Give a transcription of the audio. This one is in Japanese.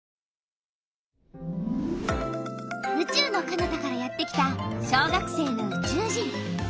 うちゅうのかなたからやってきた小学生のうちゅう人。